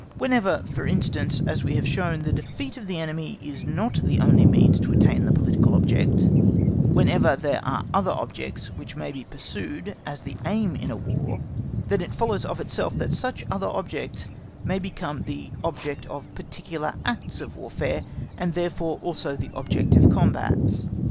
Whenever, for instance, as we have shown, the defeat of the enemy is not the only means to attain the political object, whenever there are other objects which may be pursued as the aim in a War, then it follows of itself that such other objects may become the object of particular acts of Warfare, and therefore also the object of combats.